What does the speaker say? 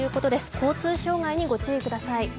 交通障害に御注意ください。